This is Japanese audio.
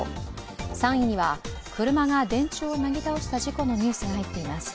３位には車が電柱をなぎ倒した事故のニュースが入っています。